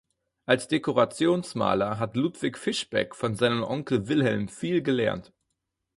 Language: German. Als Dekorationsmaler hat Ludwig Fischbeck von seinem Onkel Wilhelm viel gelernt.